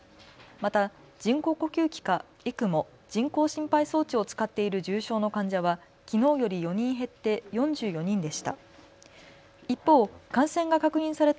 また人工呼吸器かＥＣＭＯ・人工心肺装置を使っている重症の患者は、きのうより４人減って４４人でした。